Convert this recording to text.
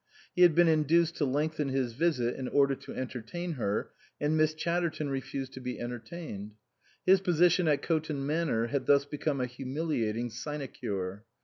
He had been induced to lengthen his visit in order to entertain her, and Miss Chatterton refused to be entertained. His position at Coton Manor had thus become a humiliating sinecure.